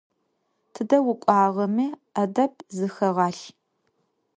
Тыдэ укӀуагъэми Ӏэдэб зыхэгъэлъ.